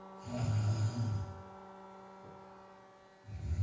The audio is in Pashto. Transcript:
قومونه د افغانستان د اوږدمهاله پایښت لپاره یو مهم رول لري.